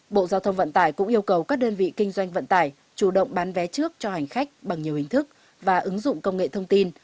bộ giao thông vận tải cũng yêu cầu các đơn vị kinh doanh vận tải chủ động bán vé trước cho hành khách bằng nhiều hình thức và ứng dụng công nghệ thông tin